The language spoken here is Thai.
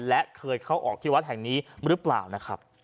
และเคยเข้าออกที่วัดแห่งนี้หรือเปล่านะครับ